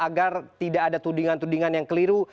agar tidak ada tudingan tudingan yang keliru